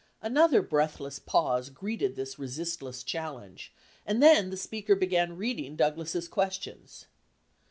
Another breathless pause greeted this resistless challenge and then the speaker began reading Douglas's questions.